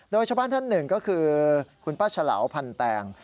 โดยชาวบ้านท่านหนึ่งก็คือคุณป้าฉลาวพันแตง